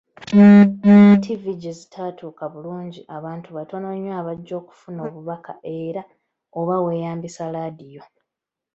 Ttivvi gye zitatuuka bulungi abantu batono nnyo abajja okufuna obubaka, era oba weeyambisa laadiyo.